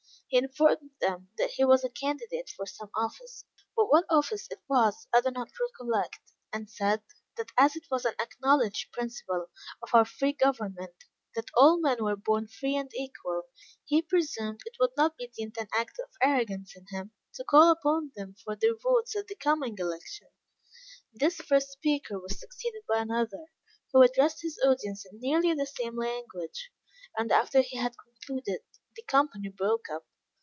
He informed them that he was a candidate for some office but what office it was I do not recollect and said, that as it was an acknowledged principle of our free government, that all men were born free and equal, he presumed it would not be deemed an act of arrogance in him, to call upon them for their votes at the coming election. This first speaker was succeeded by another, who addressed his audience in nearly the same language; and after he had concluded, the company broke up.